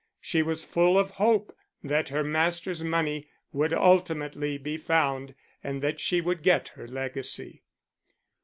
She was full of hope that her master's money would ultimately be found and that she would get her legacy.